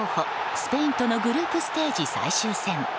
スペインとのグループステージ最終戦。